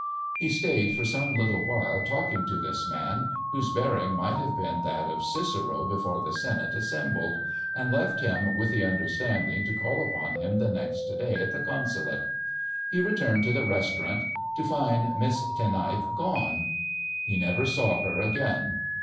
He stayed for some little while talking to this man, whose bearing might have been that of Cicero before the Senate assembled, and left him with the understanding to call upon him the next day at the Consulate. He returned to the restaurant to find Miss Ten Eyck gone. He never saw her again.